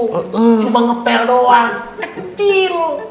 cuma ngepel doang kecil